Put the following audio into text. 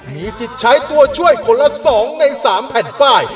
มีสิทธิ์ใช้ตัวช่วยคนละ๒ใน๓แผ่นป้าย